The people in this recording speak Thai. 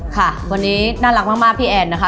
ค่ะวันนี้น่ารักมากพี่แอนนะคะ